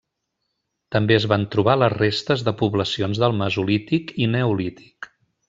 També es van trobar les restes de poblacions del mesolític i neolític.